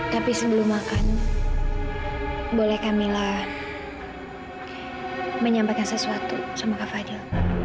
tapi sebelum makan boleh camilla menyampaikan sesuatu sama kak fadil